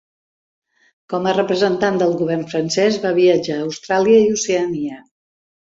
Com a representant del govern francès, va viatjar a Austràlia i Oceania.